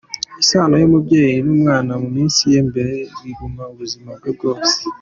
Isano y’umubyeyi n’umwana mu minsi ye ya mbere igumaho ubuzima bwe bwose.